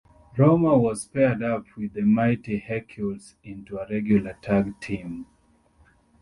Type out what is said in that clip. Roma was paired up with the Mighty Hercules into a regular tag team.